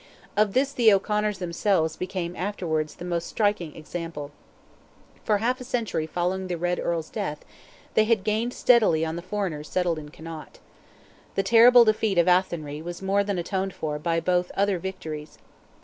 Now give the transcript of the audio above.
Of this the O'Conors themselves became afterwards the most striking example. For half a century following the Red Earl's death, they had gained steadily on the foreigners settled in Connaught. The terrible defeat of Athenry was more than atoned for by both other victories.